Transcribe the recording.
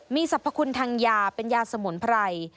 มีสรรพคุณทางยาเป็นยาสมุนไพร